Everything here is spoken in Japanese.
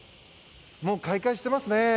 もう開会してますね。